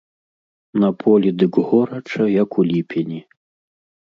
На полі дык горача, як у ліпені.